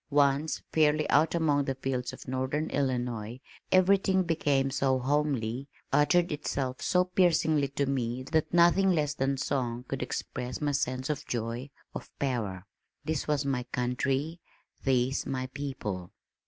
Once fairly out among the fields of northern Illinois everything became so homely, uttered itself so piercingly to me that nothing less than song could express my sense of joy, of power. This was my country these my people.